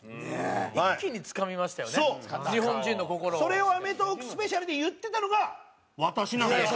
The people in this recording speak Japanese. それを『アメトーーク』スペシャルで言ってたのが私なんです！